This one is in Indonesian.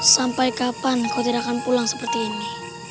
sampai kapan kau tidak akan pulang seperti ini